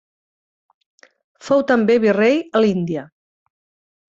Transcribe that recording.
Fou també virrei a l'Índia.